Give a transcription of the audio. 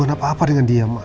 gak ada apa apa dengan dia mah